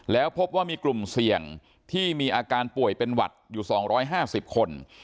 แล้วพบว่ามีกลุ่มเสี่ยงที่มีอาการป่วยเป็นหวัดอยู่๒๕๐คน